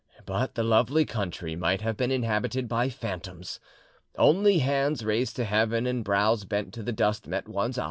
But the lovely country might have been inhabited by phantoms; only hands raised to heaven and brows bent to the dust met one's eye.